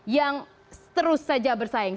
yang terus saja bersaing